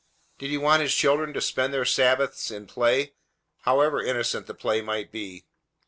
Did He want His children to spend their Sabbaths in play, however innocent the play might be?